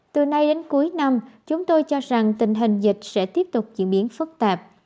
từ nay đến cuối năm chúng tôi cho rằng tình hình dịch sẽ tiếp tục diễn biến phức tạp